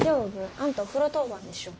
あんたお風呂当番でしょ。